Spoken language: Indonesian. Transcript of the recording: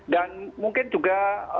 dan mungkin juga